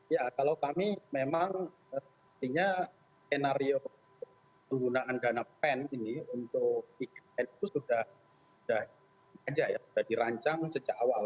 ya kalau kami memang artinya skenario penggunaan dana pen ini untuk ign itu sudah di rancang sejak awal